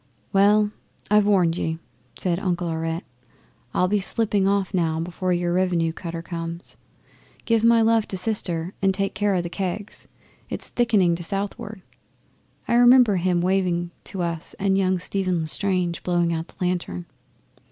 '"Well, I've warned ye," says Uncle Aurette. "I'll be slipping off now before your Revenue cutter comes. Give my love to Sister and take care o' the kegs. It's thicking to southward." 'I remember him waving to us and young Stephen L'Estrange blowing out the lantern.